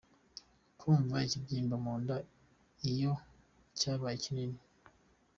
Kumva ikibyinba mu nda iyo cyabaye kinini.